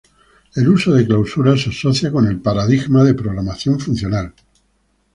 El uso de clausuras se asocia con el paradigma de programación funcional.